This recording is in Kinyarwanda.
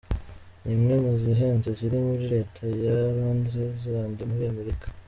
ni imwe mu zihenze ziri muri Reta ya Rhode Island muri Amerika.